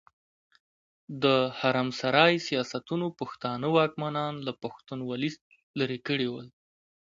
د حرم سرای سياستونو پښتانه واکمنان له پښتونولي ليرې کړي ول.